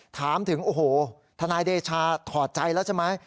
ถามถึงโอ้โหทนายเดชาถอดใจแล้วใช่ไหม